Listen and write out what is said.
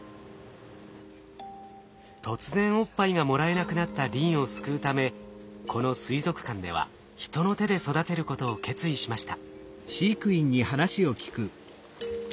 突然おっぱいがもらえなくなったリンを救うためこの水族館では人の手で育てることを決意しました。